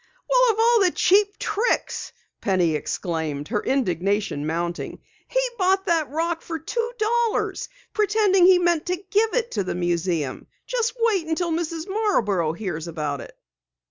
"Well, of all the cheap tricks!" Penny exclaimed, her indignation mounting. "He bought that rock for two dollars, pretending he meant to give it to the museum. Just wait until Mrs. Marborough hears about it!"